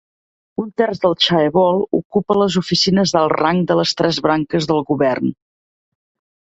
Un terç del chaebol ocupa les oficines d'alt rang de les tres branques del govern.